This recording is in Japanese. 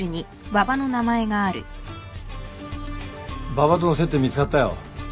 馬場との接点見つかったよ。